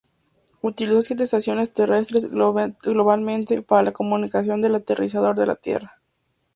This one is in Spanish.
Utilizó siete estaciones terrestres, globalmente, para la comunicación del aterrizador de la Tierra.